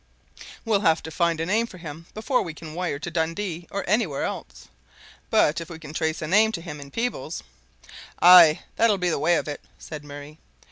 "We'll have to find a name for him before we can wire to Dundee or anywhere else. But if we can trace a name to him in Peebles " "Aye, that'll be the way of it," said Murray.